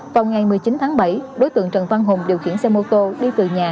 vào ngày một mươi chín tháng bảy đối tượng trần văn hùng điều khiển xe mô tô đi từ nhà